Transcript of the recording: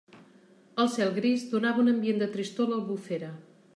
El cel gris donava un ambient de tristor a l'Albufera.